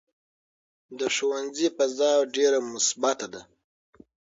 د ښوونځي فضا ډېره مثبته ده.